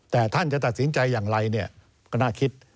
แต่ท่านจะตัดสินใจอย่างไรเนี่ยก็น่าคิด